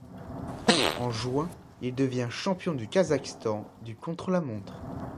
En juin, il devient champion du Kazakhstan du contre-la-montre.